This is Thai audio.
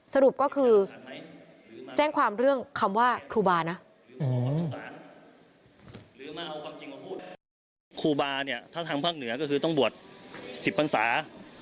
สรุปก็คือแจ้งความเรื่องคำว่าครูบานะ